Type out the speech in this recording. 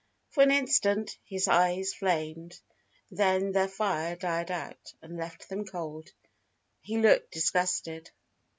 For an instant his eyes flamed. Then their fire died out, and left them cold. He looked disgusted.